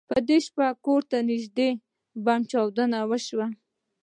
په دې شپه کور ته نږدې بمي چاودنه وشوه.